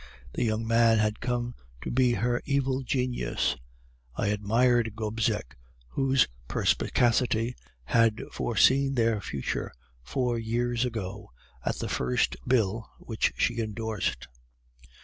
The young man had come to be her evil genius. I admired Gobseck, whose perspicacity had foreseen their future four years ago at the first bill which she endorsed.